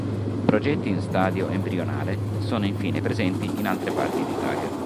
Progetti in stadio embrionale sono infine presenti in altre parti d'Italia.